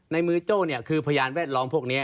ในมือโจ้คือพยานแวดล้อมพวกนี้